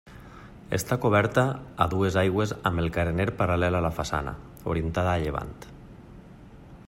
Està coberta a dues aigües amb el carener paral·lel a la façana, orientada a llevant.